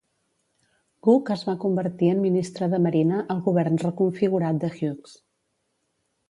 Cook es va convertir en ministre de Marina al govern reconfigurat de Hughes.